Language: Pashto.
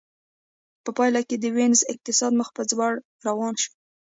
په پایله کې د وینز اقتصاد مخ په ځوړ روان شو